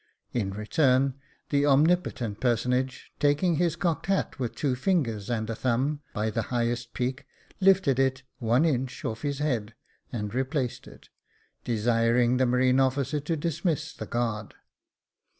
In return, the omnipotent personage, taking his cocked hat with two fingers and a thumb, by the highest peak, lifted it one inch off his head, and replaced it, desiring the marine officer to dismiss the guard.